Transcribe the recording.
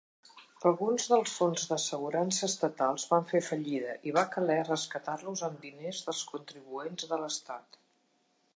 Alguns dels fons d'assegurança estatals van fer fallida i va caler rescatar-los amb diners dels contribuents de l'estat.